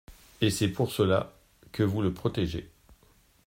Et c’est pour cela que vous le protégez.